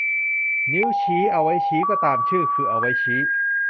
นิ้วชี้ เอาไว้ชี้ ก็ตามชื่อ คือเอาไว้ชี้